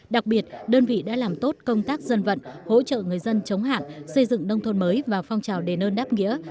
đặc biệt đơn vị đã làm tốt công tác dân vận hỗ trợ người dân chống hạn xây dựng nông thôn mới và phong trào đề nơn đáp nghĩa